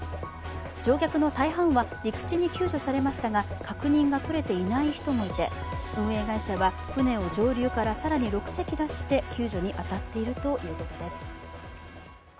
乗客の大半は陸地に救助されましたが確認が取れていない人もいて、運営会社は舟を上流から更に６隻出して救助に当たっているということです。